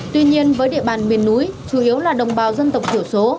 tuy nhiên với địa bàn miền núi chủ yếu là đồng bào dân tộc thiểu số